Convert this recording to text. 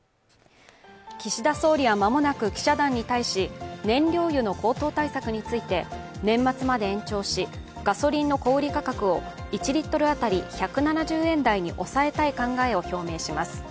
岸田総理は間もなく記者団に対し燃料油の高騰対策について年末まで延長し、ガソリンの小売価格を１リットル当たり１７０円台に抑えたい考えを表明します。